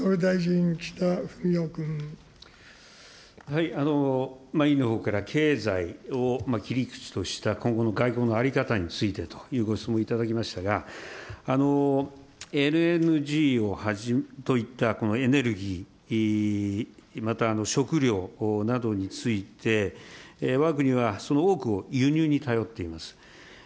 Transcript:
委員のほうから経済を切り口とした今後の外交の在り方についてというご質問をいただきましたが、ＬＮＧといったエネルギー、また食料などについて、わが国はその多くを輸入に頼っています。